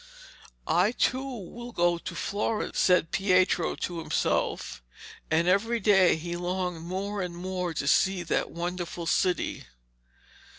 'I too will go to Florence, said Pietro to himself, and every day he longed more and more to see that wonderful city.